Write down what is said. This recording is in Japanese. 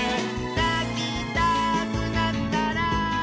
「なきたくなったら」